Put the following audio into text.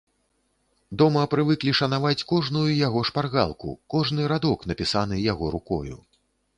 Дома прывыклі шанаваць кожную яго шпаргалку, кожны радок, напісаны яго рукою.